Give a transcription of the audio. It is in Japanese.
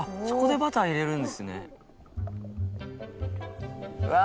そこでバターを入れるんですね。